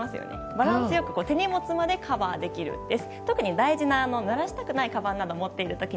バランス良く手荷物までカバーできるんです。